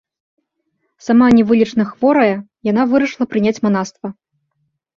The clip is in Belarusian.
Сама невылечна хворая, яна вырашыла прыняць манаства.